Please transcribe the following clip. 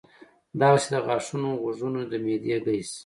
دغسې د غاښونو ، غوږونو ، د معدې د ګېس ،